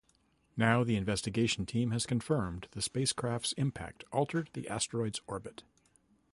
Now, the investigation team has confirmed the spacecraft’s impact altered the asteroid's orbit.